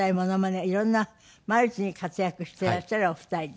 色んなマルチに活躍していらっしゃるお二人です。